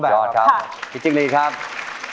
อุบันติเหตุหัวหัวใจหุกรณีรักกันบ่มีส่องเอง